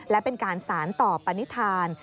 และเป็นการสารต่อปณิธาน